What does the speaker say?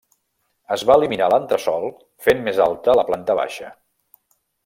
Es va eliminar l'entresòl fent més alta la planta baixa.